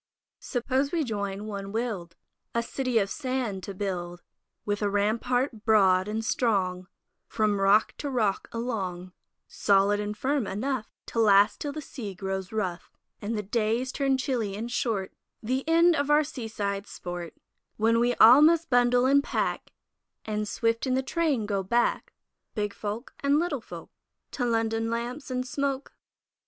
Suppose we join, one will'd, A City of Sand to build, With a rampart broad and strong From rock to rock along, Solid and firm enough To last till the sea grows rough And the days turn chilly and short, The end of our seaside sport, When all must bundle and pack And swift in the train go back, Big folk and little folk, To London lamps and smoke?